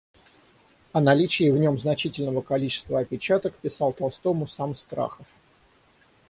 О наличии в нем значительного количества опечаток писал Толстому сам Страхов.